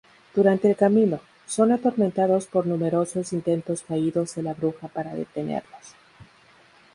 Durante el camino, son atormentados por numerosos intentos fallidos de la bruja para detenerlos.